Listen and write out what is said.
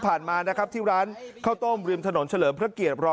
มานะครับที่ร้านข้าวต้มริมถนนเฉลิมพระเกียรติรอ